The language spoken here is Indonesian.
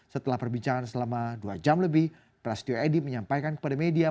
setelah perbincangan selama dua jam lebih prasetyo edy menyampaikan kepada media